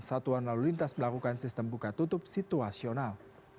satuan lalu lintas melakukan sistem buka tutup situasional